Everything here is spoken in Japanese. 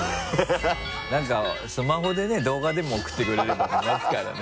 なんかスマホでね動画でも送ってくれれば見ますからね。